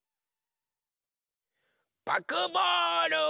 パクボール！